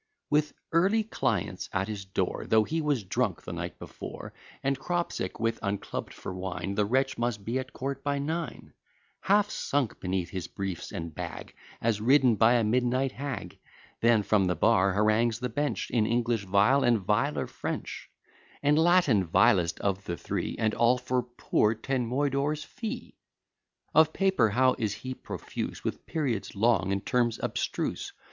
With early clients at his door, Though he was drunk the night before, And crop sick, with unclubb'd for wine, The wretch must be at court by nine; Half sunk beneath his briefs and bag, As ridden by a midnight hag; Then, from the bar, harangues the bench, In English vile, and viler French, And Latin, vilest of the three; And all for poor ten moidores fee! Of paper how is he profuse, With periods long, in terms abstruse!